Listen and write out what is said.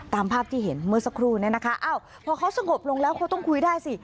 ตามภาพที่เห็นเมื่อสักครู่เนี่ยนะคะอ้าวพอเขาสงบลงแล้วเขาต้องคุยได้สิ